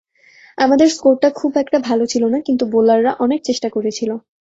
আমাদের স্কোরটা খুব একটা ভালো ছিল না, কিন্তু বোলাররা অনেক চেষ্টা করেছিল।